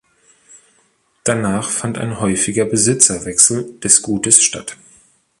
Danach fand ein häufiger Besitzerwechsel des Gutes statt.